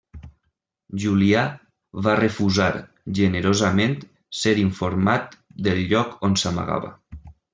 Julià va refusar generosament ser informat del lloc on s'amagava.